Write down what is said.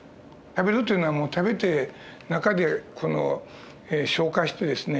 食べるというのは食べて中で消化してですね